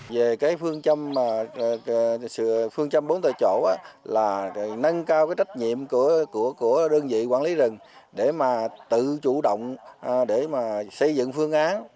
về phương châm bốn tại chỗ nâng cao trách nhiệm của đơn vị quản lý rừng để tự chủ động xây dựng phương án